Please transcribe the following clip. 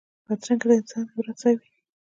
بدرنګه انسان د عبرت ځای وي